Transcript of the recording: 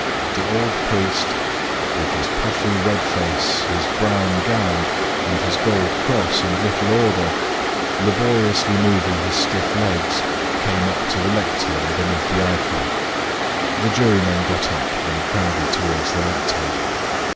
The old priest, with his puffy, red face, his brown gown, and his gold cross and little order, laboriously moving his stiff legs, came up to the lectern beneath the icon. The jurymen got up, and crowded towards the lectern.